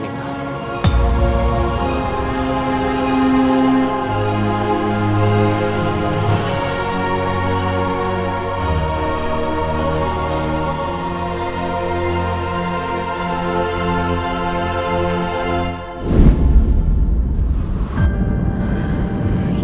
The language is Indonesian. dia sudah menang